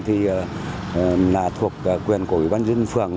thì là thuộc quyền của ủy ban nhân phường